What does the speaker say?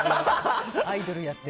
アイドルやって。